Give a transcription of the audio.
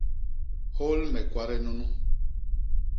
Hôl me kwade nunu!